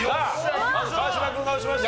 川島君が押しました。